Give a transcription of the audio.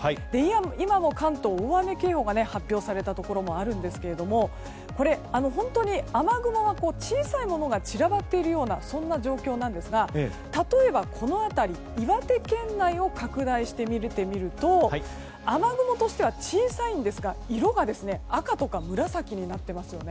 今も関東、大雨警報が発表されたところもあるんですけれどもこれ、本当に雨雲の小さいものが散らばっているようなそんな状況なんですが例えばこの辺り岩手県内を拡大して見てみると雨雲としては小さいんですが色が赤とか紫になっていますよね。